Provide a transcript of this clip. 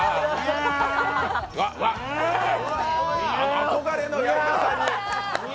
憧れの矢井田さんに！